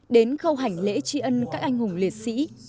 đến khâu hành lễ tri ân các anh hùng liệt sĩ